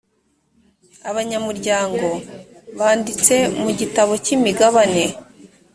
abanyamuryango banditse mu gitabo cy’imigabane